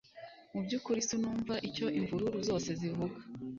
mu byukuri sinumva icyo imvururu zose zivuga